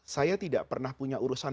saya tidak pernah punya urusan